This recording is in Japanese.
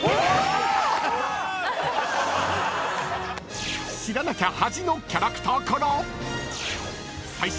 ［知らなきゃ恥のキャラクターから］